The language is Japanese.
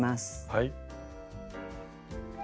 はい。